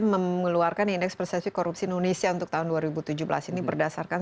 ini juga mengatakan bahwa indeks persepsi korupsi indonesia untuk tahun dua ribu tujuh belas ini berdasarkan